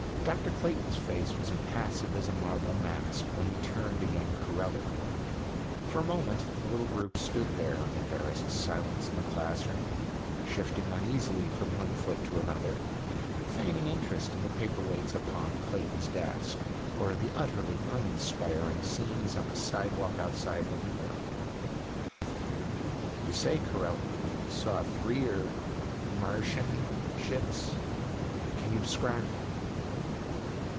_ THE FOURTH INVASION by Henry Josephs Dr. Clayton's face was impassive as a marble mask when he turned to young Corelli. For a moment, the little group stood there in embarrassed silence in the classroom, shifting uneasily from one foot to the other, feigning interest in the paperweights upon Clayton's desk, or in the utterly uninspiring scenes on the sidewalk outside the window. "You say, Corelli, that you saw three er, Martian ships. Can you describe them?"